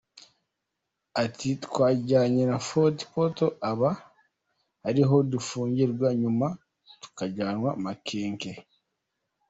Ati “ Twajyanwe Fort Portal aba ariho dufungirwa nyuma tujyanwa Makenke.